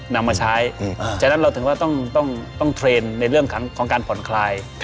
นำมาใช้ฉะนั้นเราถึงว่าต้องเทรนด์ในเรื่องของการผ่อนคลาย